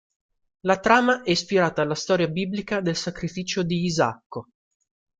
La trama è ispirata alla storia biblica del sacrificio di Isacco.